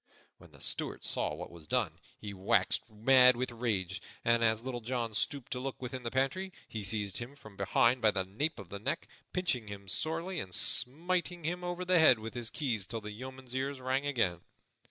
When the Steward saw what was done, he waxed mad with rage; and, as Little John stooped to look within the pantry, he seized him from behind by the nape of the neck, pinching him sorely and smiting him over the head with his keys till the yeoman's ears rang again.